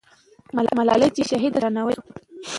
ملالۍ چې شهیده سوه، درناوی یې وسو.